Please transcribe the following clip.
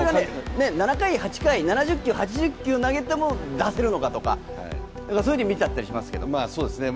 ７回、８回、７０球、８０球投げても出せるのかなと見ちゃったりしますけど。